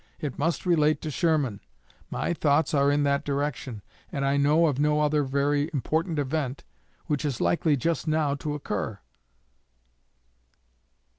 It must relate to Sherman; my thoughts are in that direction, and I know of no other very important event which is likely just now to occur.'"